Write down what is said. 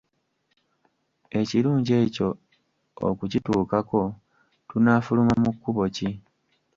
Ekirungi ekyo okukituukako tunaafuluma mu kkubo ki?